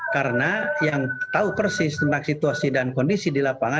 karena yang tahu persis tentang situasi dan kondisi di lapangan